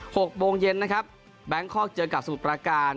หกโปรงเย็นนะครับแบงค์คลอร์กเจอกับสุภาการ